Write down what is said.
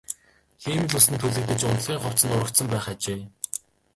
Хиймэл үс нь түлэгдэж унтлагын хувцас нь урагдсан байх ажээ.